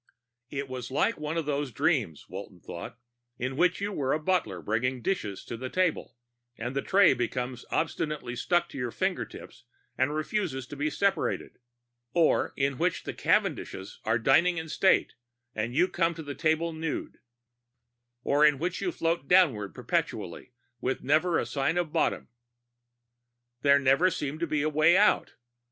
It was like one of those dreams, Walton thought, in which you were a butler bringing dishes to the table, and the tray becomes obstinately stuck to your fingertips and refuses to be separated; or in which the Cavendishes are dining in state and you come to the table nude; or in which you float downward perpetually with never a sign of bottom. There never seemed to be any way out.